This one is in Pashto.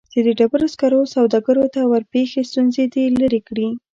چې د ډبرو سکرو سوداګرو ته ورپېښې ستونزې دې لیرې کړي